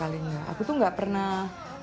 aku tuh gak pernah